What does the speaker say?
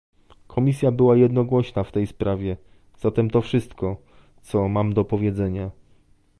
Komisja była jednogłośna w tej sprawie, zatem to wszystko, co mam do powiedzenia